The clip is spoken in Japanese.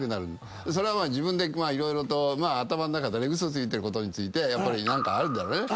それは自分で色々と頭の中でウソついてることについてやっぱり何かあるんだろうね。